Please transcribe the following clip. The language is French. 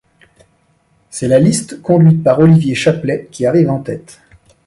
C'est la liste conduite par Olivier Chaplet qui arrive en tête.